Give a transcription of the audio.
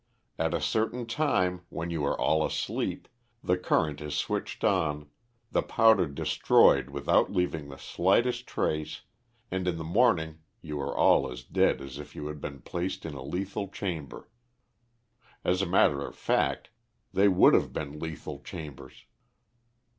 At a certain time, when you are all asleep, the current is switched on, the powder destroyed without leaving the slightest trace, and in the morning you are all as dead as if you had been placed in a lethal chamber as a matter of fact, they would have been lethal chambers.